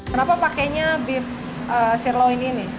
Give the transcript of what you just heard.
kenapa pakenya beef sirloin ini